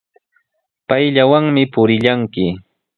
Payllawanmi purillanki.